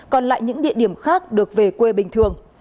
còn lại những địa điểm khác được về quê bình thường